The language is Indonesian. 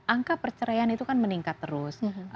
angka perceraian itu kan meningkat terus